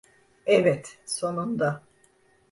Evet, sonunda.